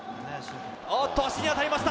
あっと、足に当たりました。